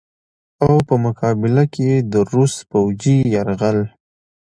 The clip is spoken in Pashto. او په مقابله کښې ئې د روس فوجي يرغل